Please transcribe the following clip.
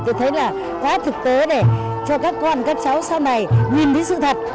tôi thấy là quá thực tế để cho các con các cháu sau này nhìn thấy sự thật